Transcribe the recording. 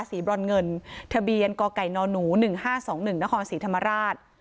สีบร้อนเงินทะเบียนกไก่นหนูหนึ่งห้าสองหนึ่งนครสีธรรมราช